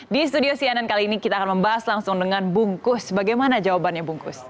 di studio cnn kali ini kita akan membahas langsung dengan bungkus bagaimana jawabannya bungkus